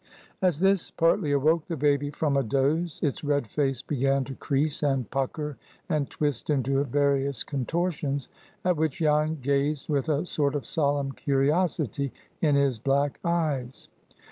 As this partly awoke the baby from a doze, its red face began to crease, and pucker, and twist into various contortions, at which Jan gazed with a sort of solemn curiosity in his black eyes.